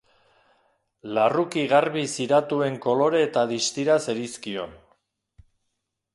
Larruki garbi ziratuen kolore eta distira zerizkion.